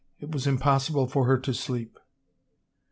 It was impossible for her to sleep.